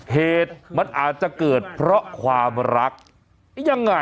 เหตุมันอาจจะเกิดเพราะความรักยังไง